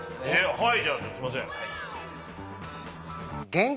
はい！